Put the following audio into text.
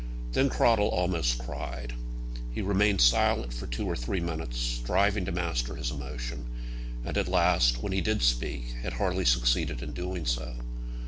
Then Cradell almost cried. He remained silent for two or three minutes, striving to master his emotion; and at last, when he did speak, had hardly succeeded in doing so.